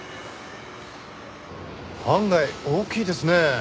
案外大きいですね。